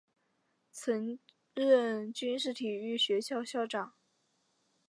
曾任军事体育学校校长。